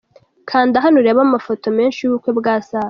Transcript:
Kanda hano urebe amafoto menshi y’ubukwe bwa Safi.